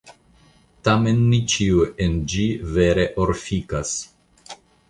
Tamen ne ĉio en ĝi vere orfikas.